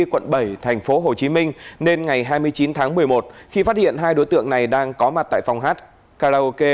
quận bảy tp hcm nên ngày hai mươi chín tháng một mươi một khi phát hiện hai đối tượng này đang có mặt tại phòng hát karaoke